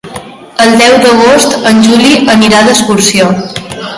El deu d'agost en Juli anirà d'excursió.